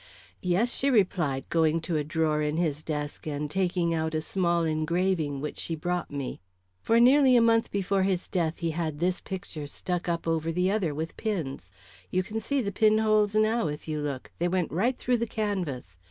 "Yes," she replied, going to a drawer in his desk and taking out a small engraving, which she brought me. "For nearly a month before his death he had this picture stuck up over the other with pins. You can see the pin holes now, if you look; they went right through the canvas.